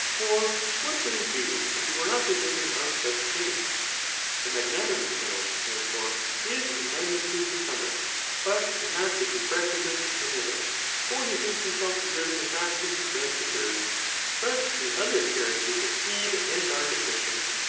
] For whac would he do tf he W0»e not deserve ing of such things i The magnanimous man, therefore, is IK magniwie tiie suoHni^ but in fkat which is requS ate the middle ; for be thiDks hfafiself d^bervkg of thaN* which he does deserve ; but the othe^ characters exceed and ase deficient.